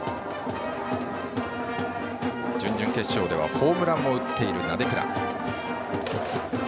準々決勝ではホームランも打っている鍋倉。